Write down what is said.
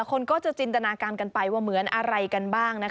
พวก่อนอาจจะจินตนาการกันไปว่าเหมือนอะไรกันบ้าง